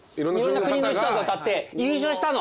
いろんな国の人が歌って優勝したの！